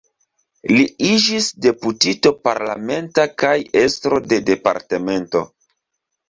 Li iĝis deputito parlamenta kaj estro de departemento.